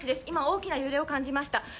今大きな揺れを感じました